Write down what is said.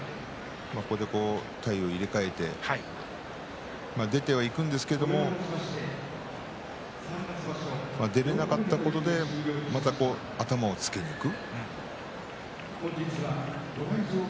体を入れ替えて出てはいくんですけど出られなかったことで頭をつけにいく。